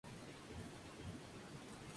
Solo se vendió en Japón.